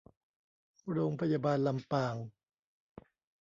โรงพยาบาลลำปาง